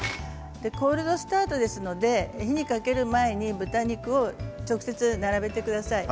コールドスタートですので火にかける前に豚肉を直接、並べてください。